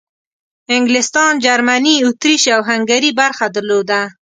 انګلستان، جرمني، اطریش او هنګري برخه درلوده.